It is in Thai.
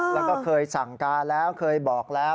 แล้วก็เคยสั่งการแล้วเคยบอกแล้ว